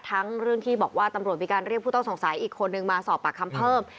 ทั้งเรื่องที่บอกว่าตำรวจมีการเรียกผู้ต้องสงสัยอีกคนนึงมาสอบปากคำเพิ่ม